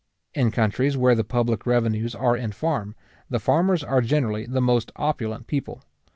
In countries where the public revenues are in farm, the farmers are generally the most opulent people.